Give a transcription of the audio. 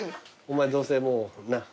お前どうせもうなっ。